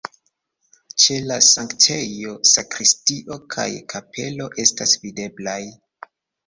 Ĉe la sanktejo sakristio kaj kapelo estas videblaj.